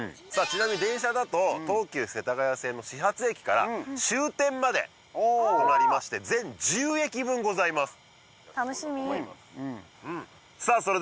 ちなみに電車だと東急世田谷線の始発駅から終点までとなりまして全１０駅分ございます